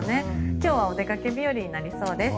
今日はお出かけ日和になりそうです。